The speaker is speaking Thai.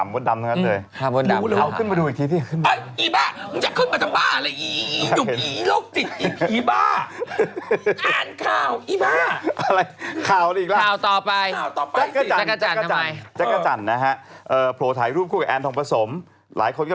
ภาพบดดำขำบดดำนะครับเจยเอาขึ้นมาดูอีกที